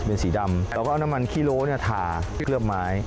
เป็นสีดำแล้วก็เอาน้ำมันคิโลกรัมทาเคลือบไม้